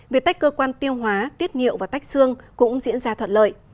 việc tách cơ quan tiêu hóa tiết nhiệu và tách xương cũng diễn ra thuận lợi